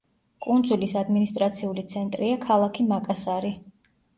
კუნძულის ადმინისტრაციული ცენტრია ქალაქი მაკასარი.